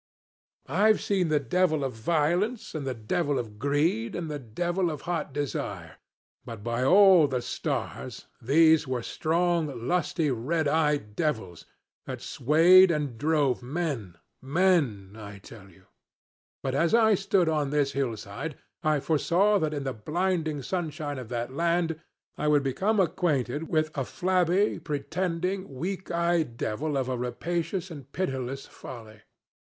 I've seen the devil of violence, and the devil of greed, and the devil of hot desire; but, by all the stars! these were strong, lusty, red eyed devils, that swayed and drove men men, I tell you. But as I stood on this hillside, I foresaw that in the blinding sunshine of that land I would become acquainted with a flabby, pretending, weak eyed devil of a rapacious and pitiless folly.